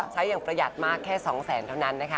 ใช้อย่างประหยัดมากแค่๒แสนเท่านั้นนะคะ